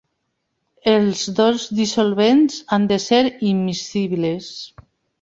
Els dos dissolvents han de ser immiscibles.